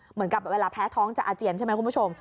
เหมือนกับเวลาแพ้ท้องจะอาเจียนใช่ไหมคุณผู้ชม